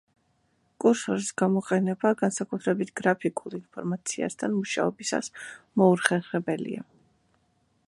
კურსორის გამოყენება, განსაკუთრებით გრაფიკულ ინფორმაციასთან მუშაობისას მოუხერხებელია.